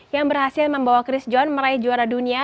yang berhasil membawa chris john meraih juara dunia